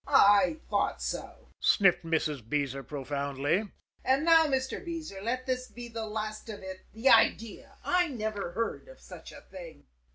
"I thought so," sniffed Mrs. Beezer profoundly. "And now, Mr. Beezer, let this be the last of it. The idea! I never heard of such a thing!"